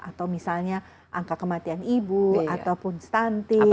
atau misalnya angka kematian ibu ataupun stunting